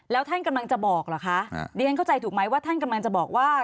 แล้วท่านกำลังจะบอกเหรอคะดิฉันเข้าใจถูกไหมว่าท่านกำลังจะบอกว่า